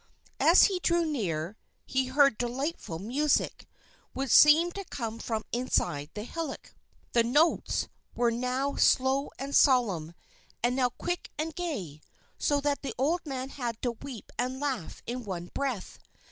As he drew near he heard delightful music, which seemed to come from inside the hillock. The notes were now slow and solemn, and now quick and gay, so that the old man had to weep and laugh in one breath.